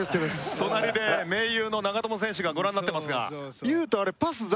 隣で盟友の長友選手がご覧になってますが。